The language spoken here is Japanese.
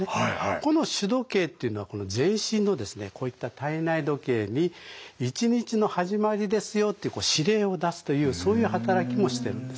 この主時計というのは全身のこういった体内時計に一日の始まりですよって司令を出すというそういう働きもしてるんですね。